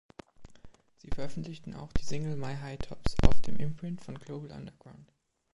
Sie veröffentlichten auch die Single „My Hi Tops“ auf dem Imprint von Global Underground.